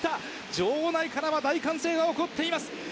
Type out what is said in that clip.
場内からは大歓声が起こっています。